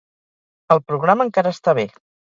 El programa encara està bé.